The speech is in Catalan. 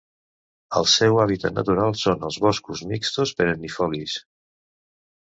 El seu hàbitat natural són els boscos mixtos perennifolis.